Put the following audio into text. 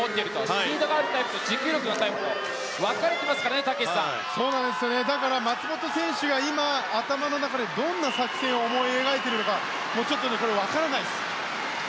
スピードがあるタイプと持久力があるタイプと松元選手が今、頭の中でどんな作戦を思い描いているのかちょっと分からないです。